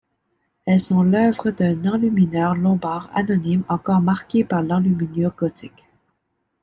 Elles sont l'œuvre d'un enlumineur lombard anonyme encore marqué par l'enluminure gothique.